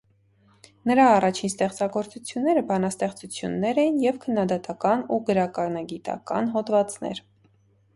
Նրա առաջին ստեղծագործությունները բանաստեղծություններ էին և քննադատական ու գրականագիտական հոդվածներ։